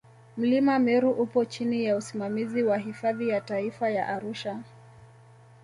Mlima Meru upo chini ya usimamizi wa Hifadhi ya Taifa ya Arusha